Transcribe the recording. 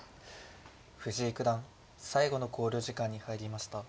藤井九段最後の考慮時間に入りました。